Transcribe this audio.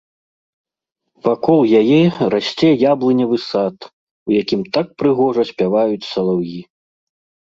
Вакол яе расце яблыневы сад, у якім так прыгожа спяваюць салаўі.